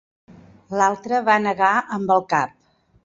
L'altre va negar amb el cap.